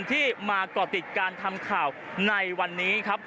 ที่มาก่อติดการทำข่าวในวันนี้ครับ